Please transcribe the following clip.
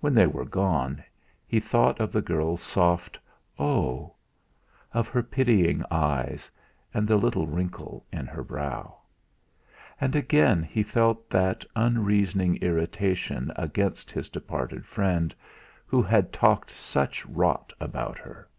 When they were gone, he thought of the girl's soft "Oh!" of her pitying eyes, and the little wrinkle in her brow. And again he felt that unreasoning irritation against his departed friend, who had talked such rot about her.